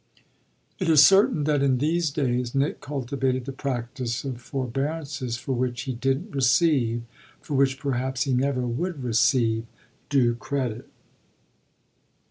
It is certain that in these days Nick cultivated the practice of forbearances for which he didn't receive, for which perhaps he never would receive, due credit.